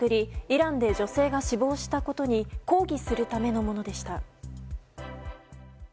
イランで女性が死亡したことに抗議するためのものでした。